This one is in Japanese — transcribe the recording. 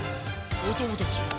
お供たち。